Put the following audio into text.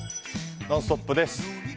「ノンストップ！」です。